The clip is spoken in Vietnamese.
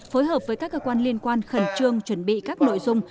phối hợp với các cơ quan liên quan khẩn trương chuẩn bị các nội dung